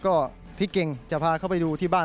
ก็พี่เก่งจะพาเขาไปดูที่บ้าน